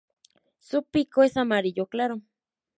Su pico es amarillo claro.